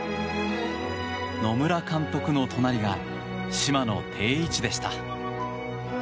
野村監督の隣が嶋の定位置でした。